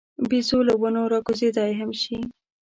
بیزو له ونو راکوزېدای هم شي.